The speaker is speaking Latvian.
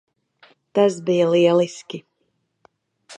Tas bija lieliski.